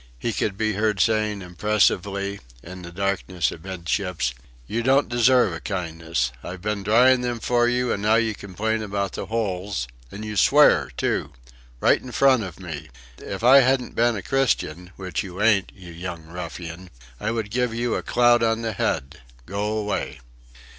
He could be heard saying impressively, in the darkness amidships: "You don't deserve a kindness. I've been drying them for you, and now you complain about the holes and you swear, too! Right in front of me! If I hadn't been a Christian which you ain't, you young ruffian I would give you a clout on the head.... Go away!"